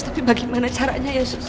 tapi bagaimana caranya ya